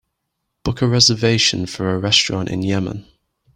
Book a reservation for a restaurant in Yemen